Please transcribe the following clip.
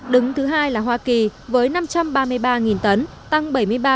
đứng thứ hai là hoa kỳ với năm trăm ba mươi ba tấn tăng bảy mươi ba